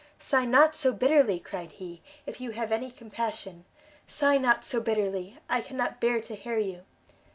"Sigh not so bitterly," cried he, "if you have any compassion! sigh not so bitterly, I cannot bear to hear you!"